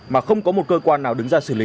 mà không có một cơ quan nào đứng ra xử lý